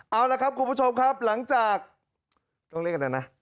เอาละครับคุณผู้ชมครับหลังจากต้องเรียกอะไรนะ